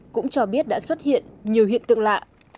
cũng cho biết đã xuất hiện nhiều hiện tượng lạ